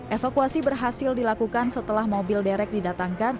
evakuasi berhasil dilakukan setelah mobil derek didatangkan